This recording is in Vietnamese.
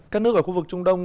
các nước ở khu vực trung đông